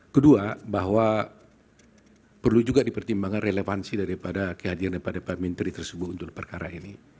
kedua bahwa perlu juga dipertimbangkan relevansi daripada kehadiran daripada pak menteri tersebut untuk perkara ini